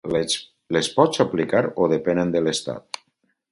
Les pot aplicar o depenen de l’estat?